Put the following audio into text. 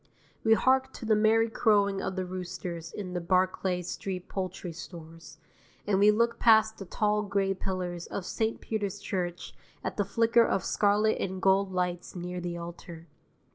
We hark to the merry crowing of the roosters in the Barclay Street poultry stores; and we look past the tall gray pillars of St. Peter's Church at the flicker of scarlet and gold lights near the altar.